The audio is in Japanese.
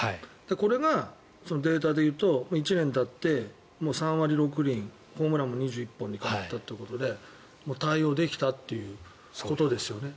これがデータでいうと１年たって３割６厘、ホームランも２１本に変わったということで対応できたということですよね。